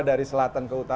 hadi ibarat ini rtw